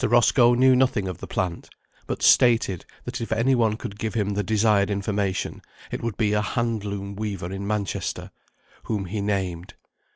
Roscoe knew nothing of the plant; but stated, that if any one could give him the desired information, it would be a hand loom weaver in Manchester, whom he named.